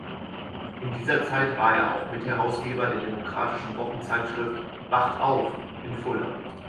In dieser Zeit war er auch Mitherausgeber der demokratischen Wochenzeitschrift „Wacht auf“ in Fulda.